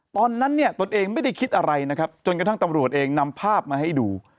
ตอนนั้นเนี่ยตนเองไม่ได้คิดอะไรนะครับจนกระทั่งตำรวจเองนำภาพมาให้ดู